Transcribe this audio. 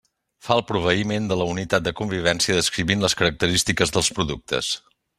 Fa el proveïment de la unitat de convivència descrivint les característiques dels productes.